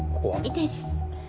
痛いです。